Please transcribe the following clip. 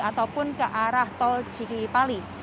ataupun ke arah tol cikipali